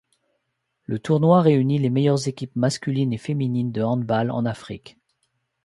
Le tournoi réunit les meilleures équipes masculines et féminines de handball en Afrique.